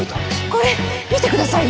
これ見てくださいよ。